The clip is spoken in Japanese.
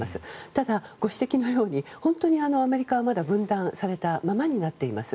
ただ、ご指摘のように本当にアメリカはまだ分断されたままになっています。